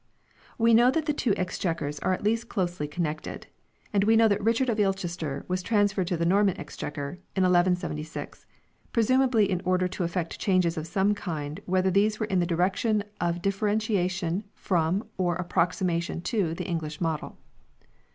We know that the two Exchequers are at least closely connected; and we know 1 that Richard of Ilchester was transferred to the Norman Exchequer in 1176, presumably in order to effect changes of some kind whether these were in the direction of differentiation from or approximation to the English model.